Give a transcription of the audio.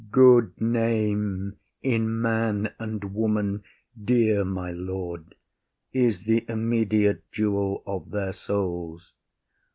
IAGO. Good name in man and woman, dear my lord, Is the immediate jewel of their souls.